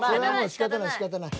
しかたないしかたない。